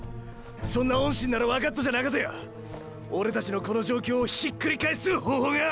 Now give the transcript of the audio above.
そんなおんしにならわかっとじゃなかとや⁉オレたちのこの状況をひっくり返す方法が！！